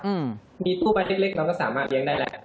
อืมมีตู้บ้านเล็กเล็กเราก็สามารถเลี้ยงได้แล้ว